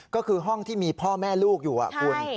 ก็คือห้องที่มีพ่อแม่ลูกอยู่คุณ